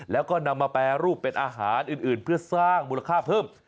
แล้วก็นำมาแปรรูปเป็นอาหารอื่นเพื่อสร้างมูลค่าเพิ่ม